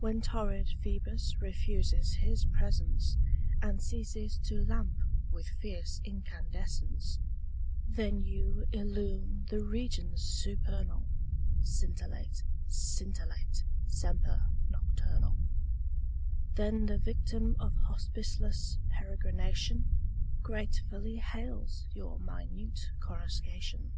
When torrid Phoebus refuses his presence And ceases to lamp with fierce incandescence^ Then you illumine the regions supernal. Scintillate, scintillate, semper nocturnal. Saintc Margirie 4T7 Then the yictiin of hospiceless peregrination Gratefully hails your minute coruscation.